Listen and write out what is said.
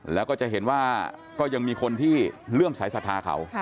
แล้วก็จะเห็นว่าก็ยังมีคนที่เลื่อมสายศรัทธาเขา